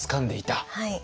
はい。